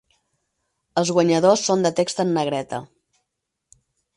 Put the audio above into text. Els guanyadors són de text en negreta.